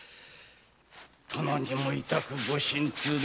殿にもいたくご心痛で。